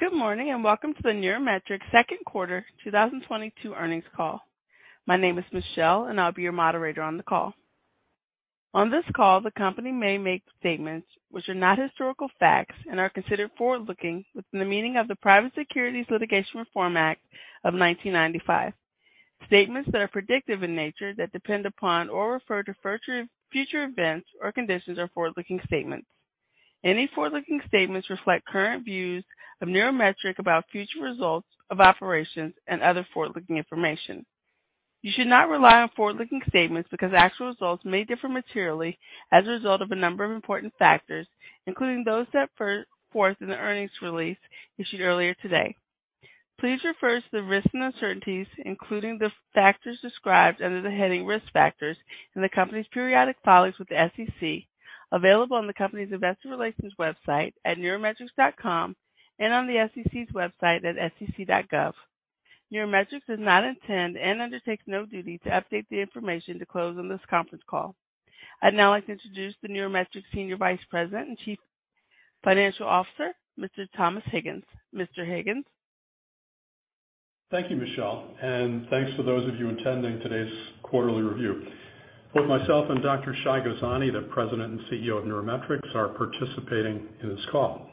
Good morning, and welcome to the NeuroMetrix second quarter 2022 earnings call. My name is Michelle, and I'll be your moderator on the call. On this call, the company may make statements which are not historical facts and are considered forward-looking within the meaning of the Private Securities Litigation Reform Act of 1995. Statements that are predictive in nature that depend upon or refer to future events or conditions are forward-looking statements. Any forward-looking statements reflect current views of NeuroMetrix about future results of operations and other forward-looking information. You should not rely on forward-looking statements because actual results may differ materially as a result of a number of important factors, including those set forth in the earnings release issued earlier today. Please refer to the risks and uncertainties, including the factors described under the heading Risk Factors in the company's periodic filings with the SEC, available on the company's investor relations website at neurometrix.com and on the SEC's website at sec.gov. NeuroMetrix does not intend and undertakes no duty to update the information disclosed on this conference call. I'd now like to introduce the NeuroMetrix Senior Vice President and Chief Financial Officer, Mr. Thomas Higgins. Mr. Higgins. Thank you, Michelle, and thanks to those of you attending today's quarterly review. Both myself and Dr. Shai Gozani, the President and CEO of NeuroMetrix, are participating in this call.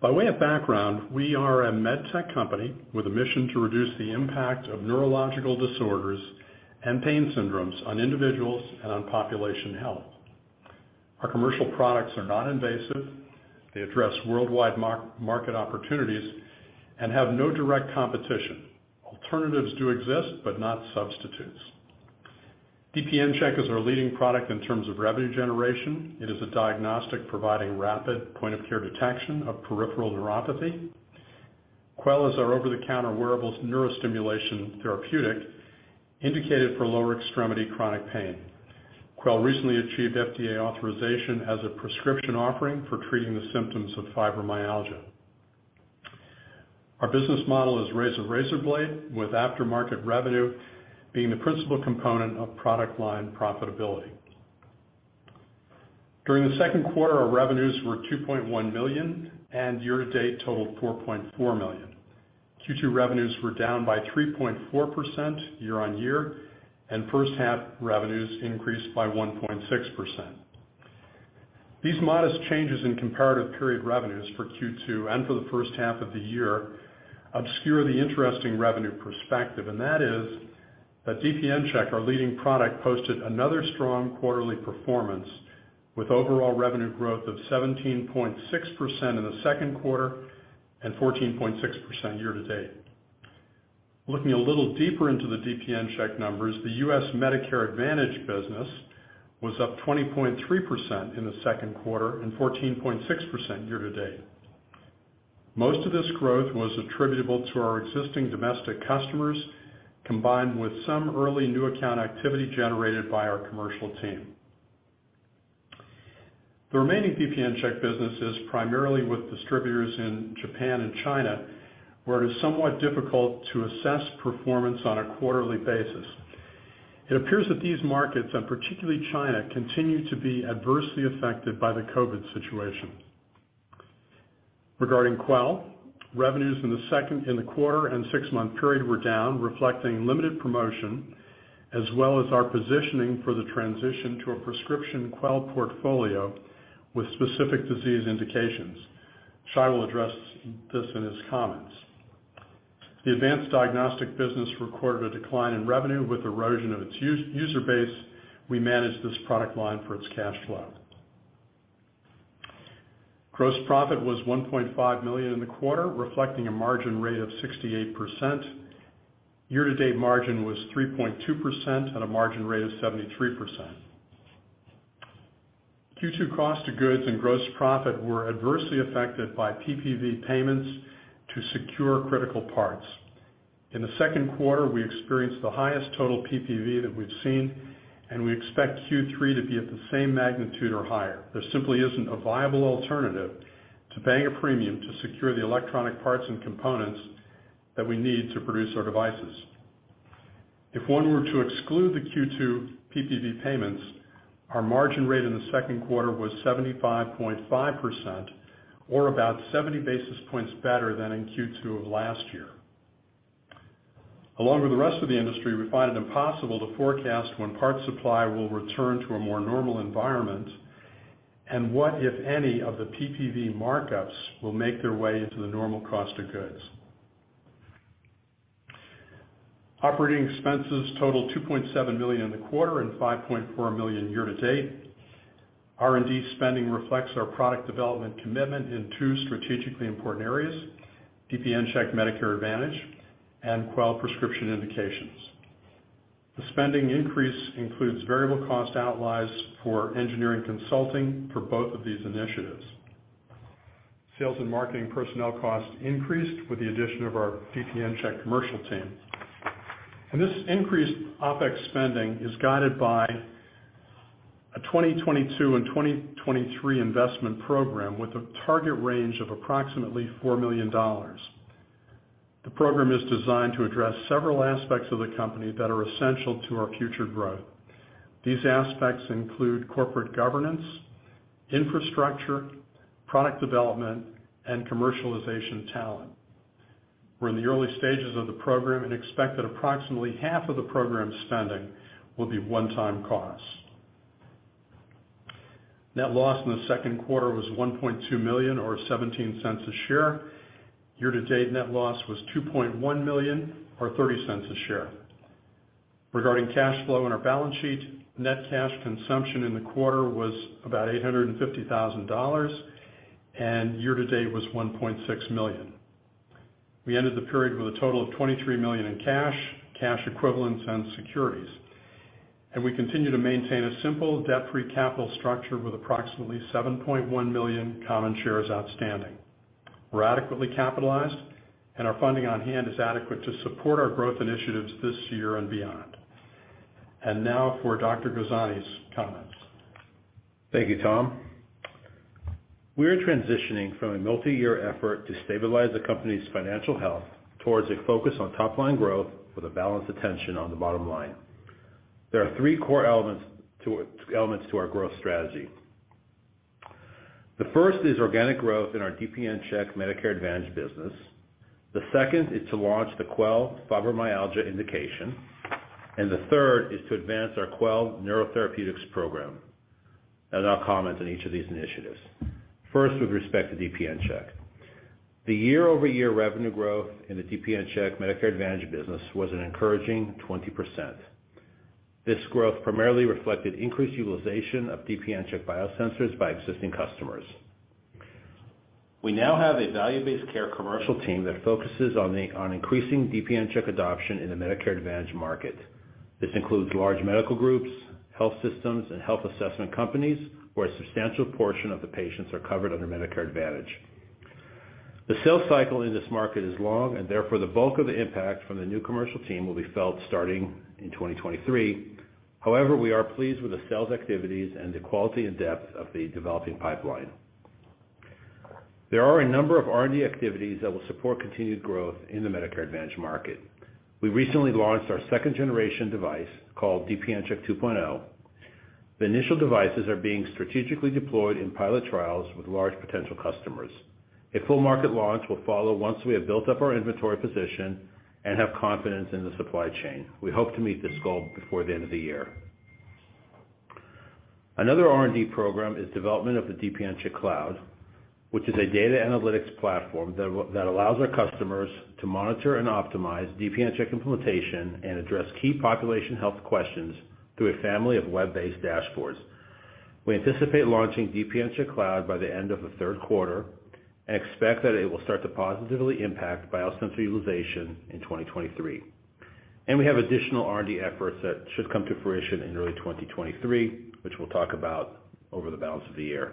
By way of background, we are a MedTech company with a mission to reduce the impact of neurological disorders and pain syndromes on individuals and on population health. Our commercial products are non-invasive. They address worldwide market opportunities and have no direct competition. Alternatives do exist, but not substitutes. DPNCheck is our leading product in terms of revenue generation. It is a diagnostic providing rapid point-of-care detection of peripheral neuropathy. Quell is our over-the-counter wearable neurostimulation therapeutic indicated for lower extremity chronic pain. Quell recently achieved FDA authorization as a prescription offering for treating the symptoms of fibromyalgia. Our business model is razor and blades, with aftermarket revenue being the principal component of product line profitability. During the second quarter, our revenues were $2.1 million, and year-to-date totaled $4.4 million. Q2 revenues were down by 3.4% year-on-year, and first half revenues increased by 1.6%. These modest changes in comparative period revenues for Q2 and for the first half of the year obscure the interesting revenue perspective, and that is that DPNCheck, our leading product, posted another strong quarterly performance with overall revenue growth of 17.6% in the second quarter and 14.6% year-to-date. Looking a little deeper into the DPNCheck numbers, the US Medicare Advantage business was up 20.3% in the second quarter and 14.6% year-to-date. Most of this growth was attributable to our existing domestic customers, combined with some early new account activity generated by our commercial team. The remaining DPNCheck business is primarily with distributors in Japan and China, where it is somewhat difficult to assess performance on a quarterly basis. It appears that these markets, and particularly China, continue to be adversely affected by the COVID situation. Regarding Quell, revenues in the second quarter and six-month period were down, reflecting limited promotion, as well as our positioning for the transition to a prescription Quell portfolio with specific disease indications. Shai will address this in his comments. The advanced diagnostic business recorded a decline in revenue with erosion of its user base. We manage this product line for its cash flow. Gross profit was $1.5 million in the quarter, reflecting a margin rate of 68%. Year-to-date margin was $3.2 million on a margin rate of 73%. Q2 cost of goods and gross profit were adversely affected by PPV payments to secure critical parts. In the second quarter, we experienced the highest total PPV that we've seen, and we expect Q3 to be at the same magnitude or higher. There simply isn't a viable alternative to paying a premium to secure the electronic parts and components that we need to produce our devices. If one were to exclude the Q2 PPV payments, our margin rate in the second quarter was 75.5% or about 70 basis points better than in Q2 of last year. Along with the rest of the industry, we find it impossible to forecast when part supply will return to a more normal environment and what, if any, of the PPV markups will make their way into the normal cost of goods. Operating expenses totaled $2.7 million in the quarter and $5.4 million year-to-date. R&D spending reflects our product development commitment in two strategically important areas, DPNCheck Medicare Advantage and Quell prescription indications. The spending increase includes variable cost outlays for engineering consulting for both of these initiatives. Sales and marketing personnel costs increased with the addition of our DPNCheck commercial team. This increased OPEX spending is guided by a 2022 and 2023 investment program with a target range of approximately $4 million. The program is designed to address several aspects of the company that are essential to our future growth. These aspects include corporate governance, infrastructure, product development, and commercialization talent. We're in the early stages of the program and expect that approximately half of the program spending will be one-time costs. Net loss in the second quarter was $1.2 million or $0.17 per share. Year-to-date net loss was $2.1 million or $0.30 per share. Regarding cash flow in our balance sheet, net cash consumption in the quarter was about $850,000, and year-to-date was $1.6 million. We ended the period with a total of $23 million in cash equivalents, and securities, and we continue to maintain a simple debt-free capital structure with approximately 7.1 million common shares outstanding. We're adequately capitalized and our funding on hand is adequate to support our growth initiatives this year and beyond. Now for Dr. Gozani's comments. Thank you, Tom. We are transitioning from a multi-year effort to stabilize the company's financial health towards a focus on top-line growth with a balanced attention on the bottom line. There are three core elements to our growth strategy. The first is organic growth in our DPNCheck Medicare Advantage business. The second is to launch the Quell fibromyalgia indication. The third is to advance our Quell neurotherapeutics program. I'll comment on each of these initiatives. First, with respect to DPNCheck. The year-over-year revenue growth in the DPNCheck Medicare Advantage business was an encouraging 20%. This growth primarily reflected increased utilization of DPNCheck biosensors by existing customers. We now have a value-based care commercial team that focuses on increasing DPNCheck adoption in the Medicare Advantage market. This includes large medical groups, health systems, and health assessment companies where a substantial portion of the patients are covered under Medicare Advantage. The sales cycle in this market is long, and therefore the bulk of the impact from the new commercial team will be felt starting in 2023. However, we are pleased with the sales activities and the quality and depth of the developing pipeline. There are a number of R&D activities that will support continued growth in the Medicare Advantage market. We recently launched our second-generation device called DPNCheck 2.0. The initial devices are being strategically deployed in pilot trials with large potential customers. A full market launch will follow once we have built up our inventory position and have confidence in the supply chain. We hope to meet this goal before the end of the year. Another R&D program is development of the DPNCheck Cloud, which is a data analytics platform that allows our customers to monitor and optimize DPNCheck implementation and address key population health questions through a family of web-based dashboards. We anticipate launching DPNCheck Cloud by the end of the third quarter and expect that it will start to positively impact biosensor utilization in 2023. We have additional R&D efforts that should come to fruition in early 2023, which we'll talk about over the balance of the year.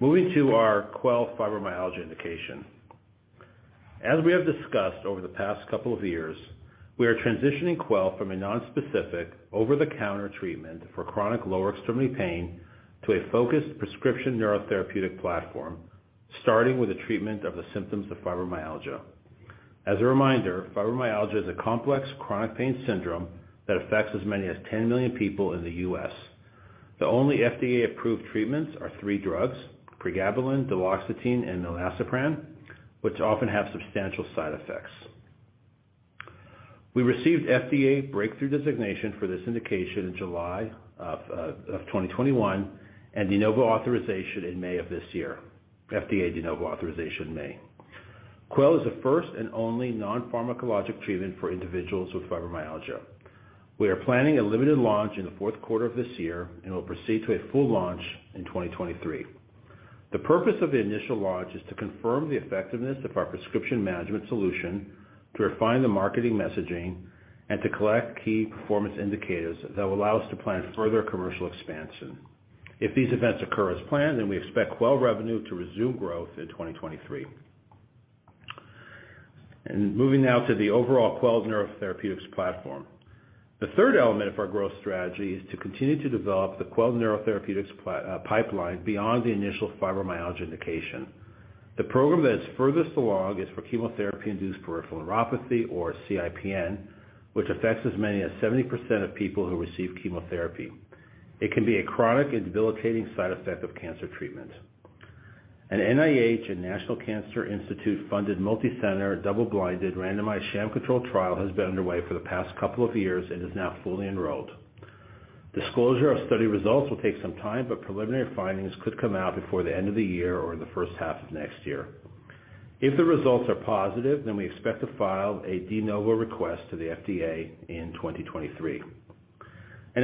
Moving to our Quell fibromyalgia indication. As we have discussed over the past couple of years, we are transitioning Quell from a nonspecific over-the-counter treatment for chronic lower extremity pain to a focused prescription neurotherapeutic platform, starting with the treatment of the symptoms of fibromyalgia. As a reminder, fibromyalgia is a complex chronic pain syndrome that affects as many as 10 million people in the U.S. The only FDA-approved treatments are three drugs, pregabalin, duloxetine, and milnacipran, which often have substantial side effects. We received FDA Breakthrough Designation for this indication in July of twenty-twenty-one and De Novo authorization in May of this year. FDA De Novo authorization in May. Quell is the first and only non-pharmacologic treatment for individuals with fibromyalgia. We are planning a limited launch in the fourth quarter of this year, and we'll proceed to a full launch in 2023. The purpose of the initial launch is to confirm the effectiveness of our prescription management solution, to refine the marketing messaging, and to collect key performance indicators that will allow us to plan further commercial expansion. If these events occur as planned, we expect Quell revenue to resume growth in 2023. Moving now to the overall Quell neurotherapeutics platform. The third element of our growth strategy is to continue to develop the Quell neurotherapeutics pipeline beyond the initial fibromyalgia indication. The program that is furthest along is for chemotherapy-induced peripheral neuropathy or CIPN, which affects as many as 70% of people who receive chemotherapy. It can be a chronic and debilitating side effect of cancer treatment. An NIH and National Cancer Institute-funded multicenter, double-blinded, randomized sham-controlled trial has been underway for the past couple of years and is now fully enrolled. Disclosure of study results will take some time, but preliminary findings could come out before the end of the year or the first half of next year. If the results are positive, we expect to file a De Novo request to the FDA in 2023.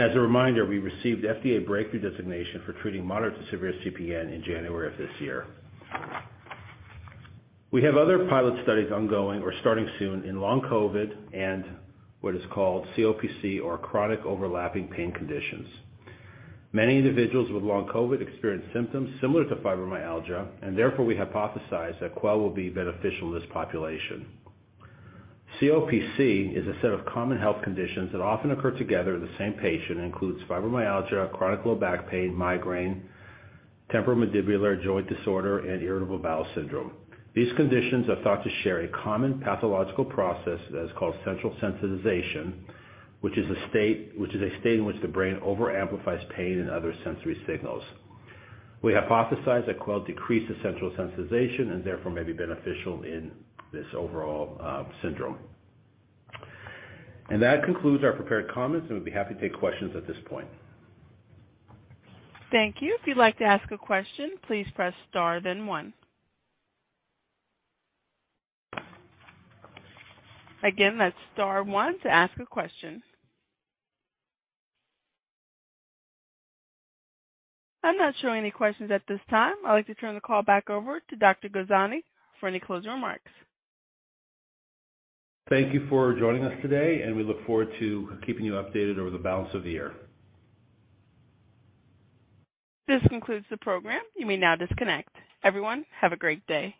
As a reminder, we received FDA Breakthrough Designation for treating moderate to severe CIPN in January of this year. We have other pilot studies ongoing or starting soon in long COVID and what is called COPC or chronic overlapping pain conditions. Many individuals with long COVID experience symptoms similar to fibromyalgia, and therefore we hypothesize that Quell will be beneficial in this population. COPC is a set of common health conditions that often occur together in the same patient. Includes fibromyalgia, chronic low back pain, migraine, temporomandibular joint disorder, and irritable bowel syndrome. These conditions are thought to share a common pathological process that is called central sensitization, which is a state in which the brain overamplifies pain and other sensory signals. We hypothesize that Quell decreases central sensitization and therefore may be beneficial in this overall syndrome. That concludes our prepared comments, and we'd be happy to take questions at this point. Thank you. If you'd like to ask a question, please press Star then one. Again, that's Star one to ask a question. I'm not showing any questions at this time. I'd like to turn the call back over to Dr. Gozani for any closing remarks. Thank you for joining us today, and we look forward to keeping you updated over the balance of the year. This concludes the program. You may now disconnect. Everyone, have a great day.